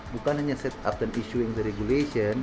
bukan hanya set up dan issue in the regulation